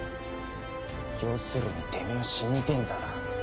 要するにてめぇは死にてぇんだな。